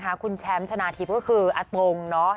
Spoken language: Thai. โอ้นะคะคุณแชมป์ชนะทิพย์ก็คืออาตรงเนอะ